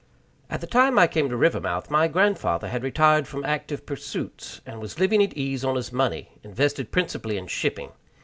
At the time I came to Rivermouth my grandfather had retired from active pursuits, and was living at ease on his money, invested principally in shipping.